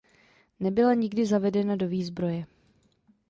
Nebyla nikdy zavedena do výzbroje.